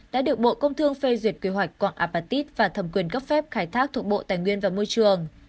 đã được bộ công thương phê duyệt quy hoạch quặng apatit và thầm quyền góp phép khai thác thuộc bộ tài nguyên và môi trường